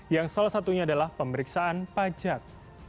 yang salah satunya adalah pemeriksaan pajak